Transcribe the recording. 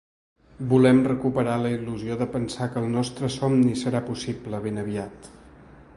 Volem recuperar la il·lusió de pensar que el nostre somni serà possible ben aviat.